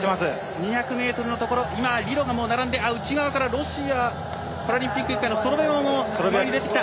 ２００メートルのところ今、李露が並んで内側からロシアパラリンピック委員会前に出てきた。